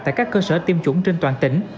tại các cơ sở tiêm chủng trên toàn tỉnh